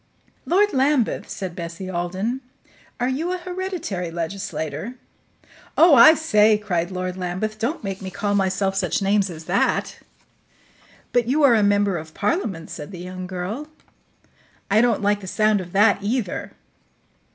"Lord Lambeth," said Bessie Alden, "are you a hereditary legislator?" "Oh, I say!" cried Lord Lambeth, "don't make me call myself such names as that." "But you are a member of Parliament," said the young girl. "I don't like the sound of that, either."